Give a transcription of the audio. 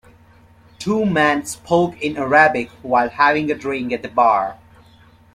Two men spoke in Arabic while having a drink at the bar.